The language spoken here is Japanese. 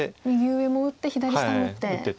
右上も打って左下も打って。